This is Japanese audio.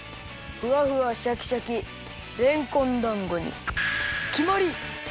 ふわふわシャキシャキれんこんだんごにきまり！